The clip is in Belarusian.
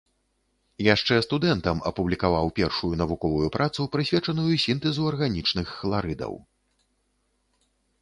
Яшчэ студэнтам апублікаваў першую навуковую працу, прысвечаную сінтэзу арганічных хларыдаў.